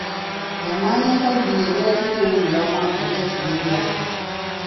Emmwanyi enkazi y'ebeera teriimu mulamwa oba ekirerya.